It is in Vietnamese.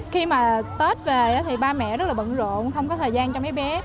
khi mà tết về thì ba mẹ rất là bận rộn không có thời gian cho mấy bé